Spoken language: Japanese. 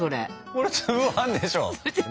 これ粒あんでしょ。